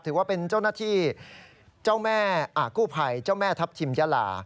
ถือว่าเป็นเจ้าหน้าที่เจ้าแม่กู้ภัยเจ้าแม่ทัพทิมยาลา